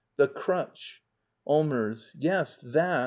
] The crutch. Allmers. Yes, that.